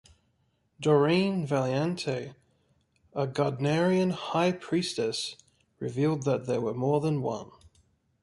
Doreen Valiente, a Gardnerian High Priestess, revealed that there were more than one.